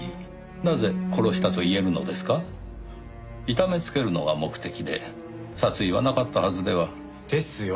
痛めつけるのが目的で殺意はなかったはずでは？ですよ。